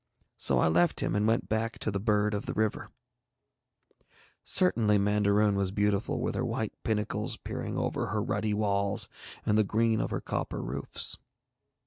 So I left him and went back to the Bird of the River. Certainly Mandaroon was beautiful with her white pinnacles peering over her ruddy walls and the green of her copper roofs.